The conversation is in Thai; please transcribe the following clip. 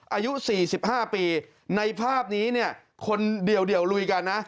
อายุสี่สิบห้าปีในภาพนี้เนี้ยคนเดี่ยวเดี่ยวลุยกันนะ